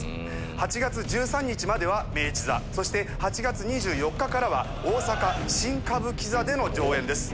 ８月１３日までは明治座そして８月２４日からは大阪新歌舞伎座での上演です。